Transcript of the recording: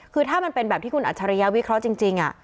คือถ้ามันเป็นแบบที่คุณอัจฉริยะวิเคราะห์จริง